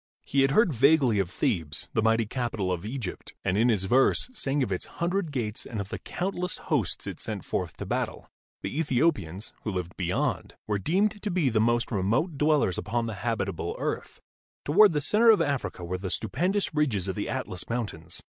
He had heard vaguely of Thebes, the mighty capital of Egypt, and in his verse sang of its hundred gates and of the countless hosts it sent forth to battle. The Ethiopians, who lived beyond, were deemed to be the most remote dwellers upon the habitable earth. Toward the center of Africa were the stupendous ridges of the Atlas Mountains.